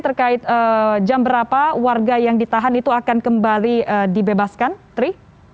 terkait jam berapa warga yang ditahan itu akan kembali dibebaskan tri